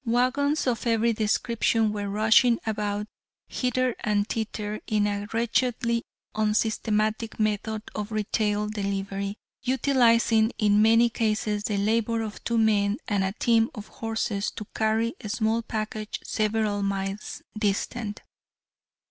Wagons of every description were rushing about hither and thither in a wretchedly unsystematic method of retail delivery, utilizing in many cases the labor of two men and a team of horses to carry a small package several miles distant.